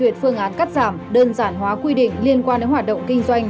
duyệt phương án cắt giảm đơn giản hóa quy định liên quan đến hoạt động kinh doanh